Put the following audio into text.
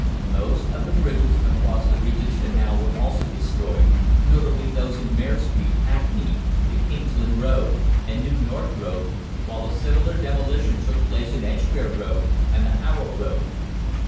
Most of the bridges across the Regent's Canal were also destroyed, notably those in Mare Street, Hackney, the Kingsland Road, and New North Road, while a similar demolition took place in Edgware Road and the Harrow Road.